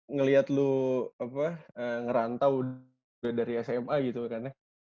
ngeliat lu ngerantau udah dari sma gitu kan ya